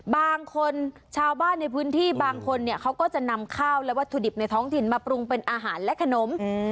บางคนชาวบ้านในพื้นที่บางคนเนี่ยเขาก็จะนำข้าวและวัตถุดิบในท้องถิ่นมาปรุงเป็นอาหารและขนม